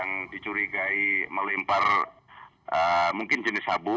yang dicurigai melempar mungkin jenis sabu